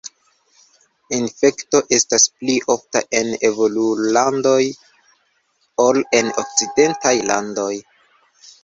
Infekto estas pli ofta en evolulandoj ol en okcidentaj landoj.